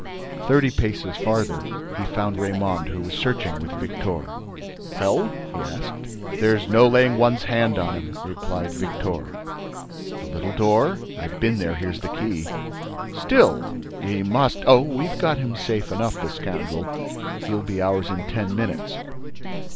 Thirty paces farther, he found Raymonde, who was searching with Victor. "Well?" he asked. "There's no laying one's hands on him," replied Victor. "The little door?" "I've been there; here's the key." "Still—he must—" "Oh, we've got him safe enough, the scoundrel—He'll be ours in ten minutes."